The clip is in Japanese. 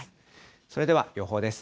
それでは予報です。